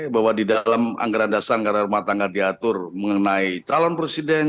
bahwa di dalam anggaran dasar anggaran rumah tangga diatur mengenai calon presiden